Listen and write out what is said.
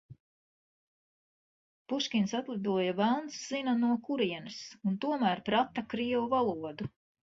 Puškins atlidoja velns zina no kurienes un tomēr prata krievu valodu.